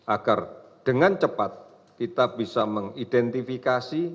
agar dengan cepat kita bisa mengidentifikasi